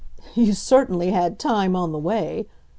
"You certainly had time on the way!"